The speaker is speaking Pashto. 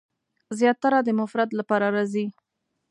زیاتره د مفرد لپاره راځي.